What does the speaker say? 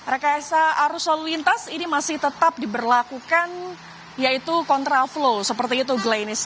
rekayasa arus lalu lintas ini masih tetap diberlakukan yaitu kontra flow seperti itu glains